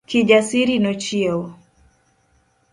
Kijasiri nochiewo